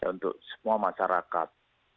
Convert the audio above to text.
untuk semua masyarakat